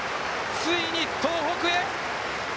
ついに東北へ。